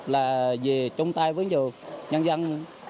là về chung tay với nhiều nhân dân